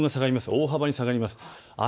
大幅に下がります。